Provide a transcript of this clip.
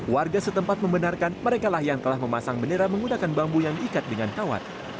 warga setempat membenarkan mereka lah yang telah memasang bendera menggunakan bambu yang diikat dengan kawat